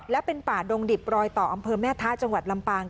และเป็นป่าดงดิบรอยต่ออำเภอแม่ท้าจังหวัดลำปาง